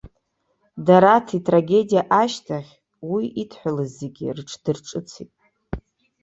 Дараҭ итрагедиа ашьҭахь уи идҳәалаз зегьы рыҽдырҿыцит.